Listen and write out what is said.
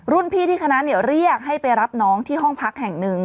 พี่ที่คณะเรียกให้ไปรับน้องที่ห้องพักแห่งหนึ่ง